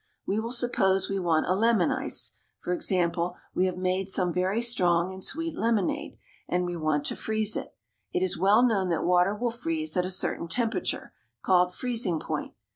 We will suppose we want a lemon water ice, i.e., we have made some very strong and sweet lemonade, and we want to freeze it. It is well known that water will freeze at a certain temperature, called freezing point.